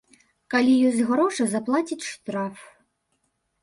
Калі ёсць грошы заплаціць штраф.